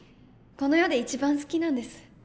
この世で一番好きなんです。